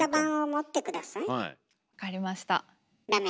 分かりました。